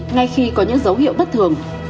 ngay khi có những dấu hiệu bất thường